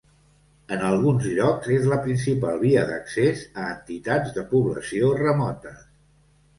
En alguns llocs és la principal via d'accés a entitats de població remotes.